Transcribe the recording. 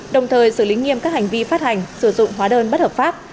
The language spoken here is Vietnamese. đồng thời xử lý nghiêm các hành vi phát hành sử dụng hóa đơn bất hợp pháp